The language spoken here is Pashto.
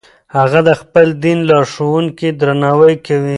هغه د خپل دین لارښوونکو درناوی کوي.